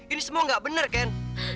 ini semua gak bener ken